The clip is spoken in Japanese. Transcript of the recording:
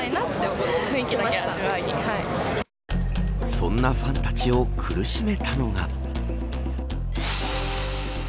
そんなファンたちを苦しめたのが。